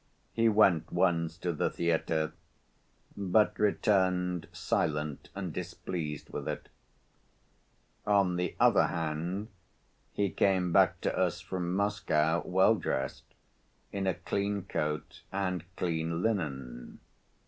He went once to the theater, but returned silent and displeased with it. On the other hand, he came back to us from Moscow well dressed, in a clean coat and clean linen.